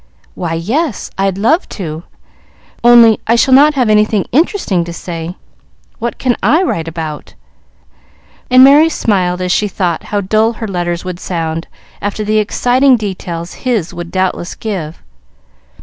"Why, yes; I'd love to, only I shall not have anything interesting to say. What can I write about?" and Merry smiled as she thought how dull her letters would sound after the exciting details his would doubtless give.